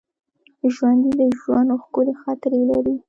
ژوندي د ژوند ښکلي خاطرې لري